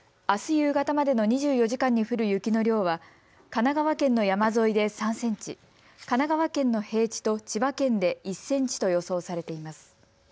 あす夕方までの２４時間に降る雪の量は、神奈川県の山沿いで３センチ、神奈川県の平地と千葉県で１センチと予想されています。